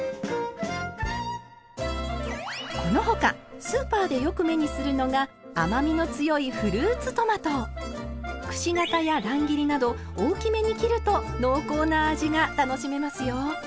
この他スーパーでよく目にするのが甘みの強いくし形や乱切りなど大きめに切ると濃厚な味が楽しめますよ。